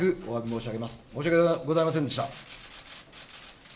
申し訳ございませんでした。